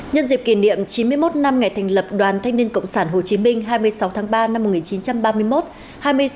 nhân dịp kỷ niệm chín mươi một năm ngày thành lập đoàn thanh niên cộng sản hồ chí minh hai mươi sáu tháng ba năm một nghìn chín trăm ba mươi một